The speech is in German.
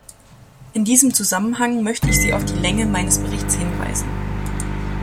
In diesem Zusammenhang möchte ich Sie auf die Länge meines Berichts hinweisen.